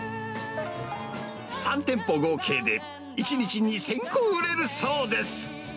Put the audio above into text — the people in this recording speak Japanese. ３店舗合計で、１日２０００個売れるそうです。